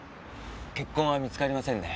血痕は見つかりませんね。